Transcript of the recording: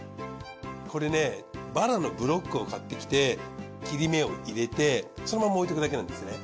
これねバラのブロックを買ってきて切れ目を入れてそのまま置いてるだけなんです。